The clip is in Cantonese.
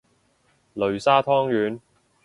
擂沙湯圓